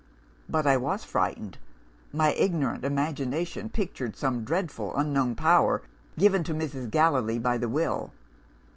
"But I was frightened. My ignorant imagination pictured some dreadful unknown power given to Mrs. Gallilee by the Will.